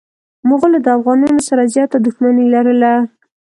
مغولو د افغانانو سره زياته دښمني لرله.